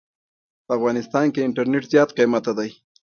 په افغانستان کې انټرنيټ زيات قيمته دي.